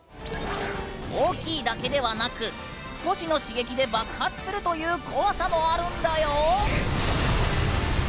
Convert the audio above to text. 大きいだけではなく少しの刺激で爆発するという怖さもあるんだよ。